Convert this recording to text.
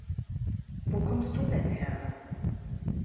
Wo kommst du denn her?